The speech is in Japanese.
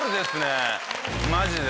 マジで。